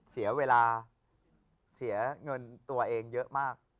เสียเวลาเสียเงินตัวเองเยอะมาก